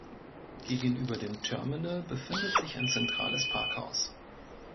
Gegenüber dem Terminal befindet sich ein zentrales Parkhaus.